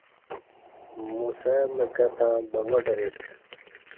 موسہ مکہ تں بگاٹ ویک